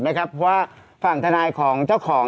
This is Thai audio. ว่าฝั่งทนายของเจ้าของ